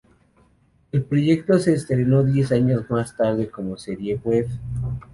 El proyecto se estrenó diez años más tarde como serie web.